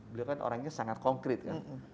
beliau kan orangnya sangat konkret kan